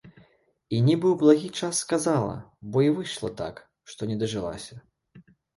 І нібы ў благі час сказала, бо і выйшла так, што не дажылася.